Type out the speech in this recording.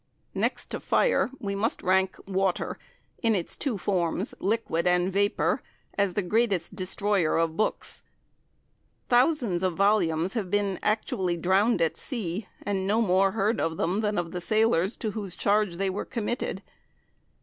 NEXT to Fire we must rank Water in its two forms, liquid and vapour, as the greatest destroyer of books. Thousands of volumes have been actually drowned at Sea, and no more heard of them than of the Sailors to whose charge they were committed.